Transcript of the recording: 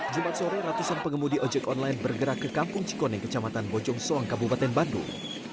jumat sore ratusan pengemudi ojek online bergerak ke kampung cikoneng kecamatan bojongsoang kabupaten bandung